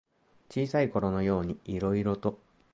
小さいころのようにいろいろと。